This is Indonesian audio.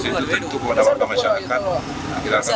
supaya menjaga kekuasaan padanya kekuasaan bisanya